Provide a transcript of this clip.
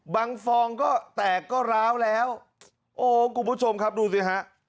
ฟองก็แตกก็ร้าวแล้วโอ้คุณผู้ชมครับดูสิฮะ